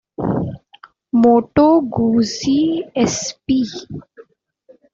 Moto Guzzi S.p.